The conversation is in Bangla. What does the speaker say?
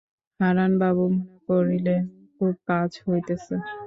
হারানবাবু মনে করিলেন, খুব কাজ হইতেছে।